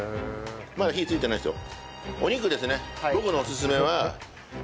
まだ火ついてないですよ。